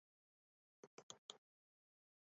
马里鹋鹩莺是澳洲特有的一种鹋鹩莺属鸟类。